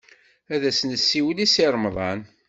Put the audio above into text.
Ad as-nessiwel i Si Remḍan.